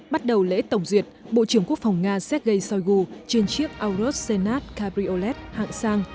bắt đầu lễ tổng duyệt bộ trưởng quốc phòng nga sergei shoigu trên chiếc aurus senat cabriolet hạng sang